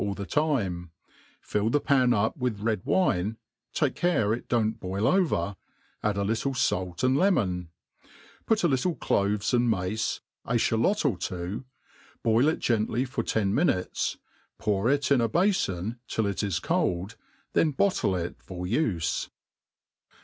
all the time, fill the pan up with red wine ; take care it don't boil over, add a^ little fait and lemon ; put a little cloves and mace, a ihallot of two, boil it gently for ten minutes ; pour it in a bafon till it is cold, tbca bottk iufor uie.